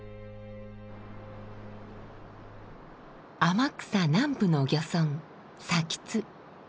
天草南部の漁村津。